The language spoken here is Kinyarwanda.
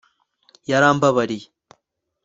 yarambabariye